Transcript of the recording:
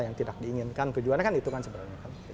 yang tidak diinginkan tujuannya kan itu kan sebenarnya